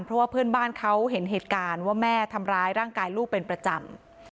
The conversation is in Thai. เพราะว่าเพื่อนบ้านเขาเห็นเหตุการณ์ว่าแม่ทำร้ายร่างกายลูกเป็นประจำ